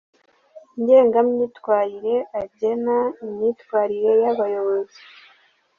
Ngengamyitwarire agena imyitwarire y abayobozi